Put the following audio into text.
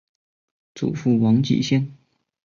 祖父王继先。